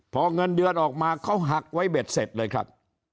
พอเงินเดือนออกมาเขาหักไว้เบ็ดเสร็จเลยครับ